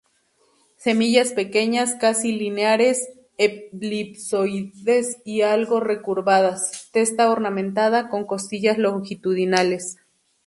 Semillas pequeñas, casi lineares, elipsoides y algo recurvadas, testa ornamentada, con costillas longitudinales.